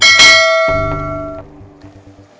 tapi jadi apa study